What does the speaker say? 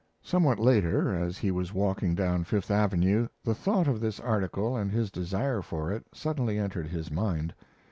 Somewhat later, as he was walking down Fifth Avenue, the thought of this article and his desire for it suddenly entered his mind.